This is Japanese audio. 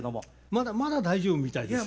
まだまだ大丈夫みたいですね。